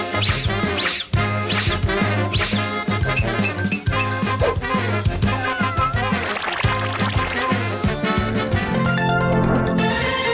โปรดติดตามตอนต่อไป